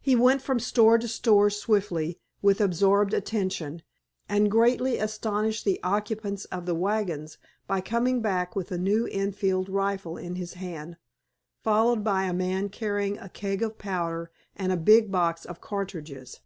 He went from store to store swiftly, with absorbed attention, and greatly astonished the occupants of the wagons by coming back with a new Enfield rifle in his hand, followed by a man carrying a keg of powder and a big box of cartridges.